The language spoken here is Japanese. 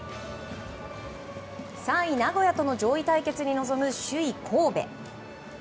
３位、名古屋との上位対決に臨む首位、神戸。